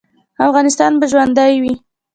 افغانستان به ژوندی وي؟